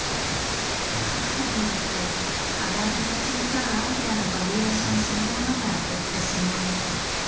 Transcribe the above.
格差によって課題に立ち向かうアイデアのバリエーションそのものが減ってしまう。